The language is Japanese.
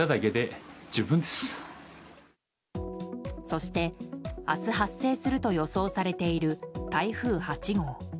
そして明日発生すると予想されている台風８号。